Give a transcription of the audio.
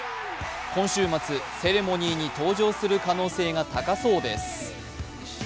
今週末、セレモニーに登場する可能性が高そうです。